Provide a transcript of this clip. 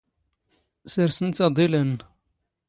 ⵙⵔⵙⵏⵜ ⴰⴹⵉⵍ ⴰⵏⵏ.